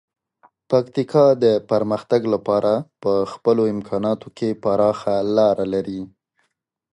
پکتیکا د پرمختګ لپاره په خپلو امکاناتو کې پراخه لاره لري.